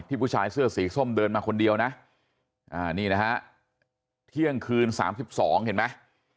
ผู้ชายเสื้อสีส้มเดินมาคนเดียวนะนี่นะฮะเที่ยงคืน๓๒เห็นไหม